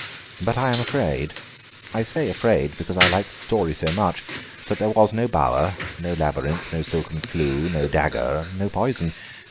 But I am afraid—I say afraid, because I like the story so much—that there was no bower, no labyrinth, no silken clue, no dagger, no poison.